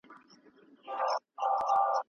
د فراغت سند په خپلسري ډول نه ویشل کیږي.